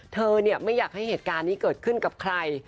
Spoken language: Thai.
เธอไม่อยากให้เหตุการณ์นี้เกิดขึ้นกับใคร